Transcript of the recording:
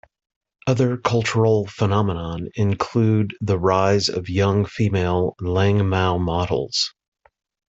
Other cultural phenomenon include the rise of young female Liang mou models.